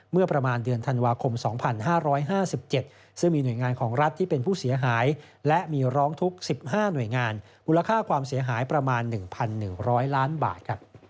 เมื่อประมาณเดือนธันวาคม๒๕๕๗ซึ่งมีหน่วยงานของรัฐที่เป็นผู้เสียหายและมีร้องทุกข์๑๕หน่วยงานมูลค่าความเสียหายประมาณ๑๑๐๐ล้านบาท